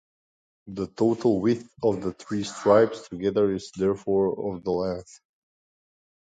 The total width of the three stripes together is therefore of the length.